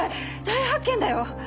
大発見だよ！